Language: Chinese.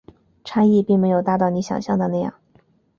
差异并没有大到你想像的那样